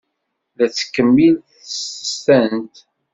La tettkemmil tsestant.